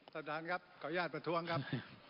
ท่านประธานครับขออนุญาตประท้วงครับ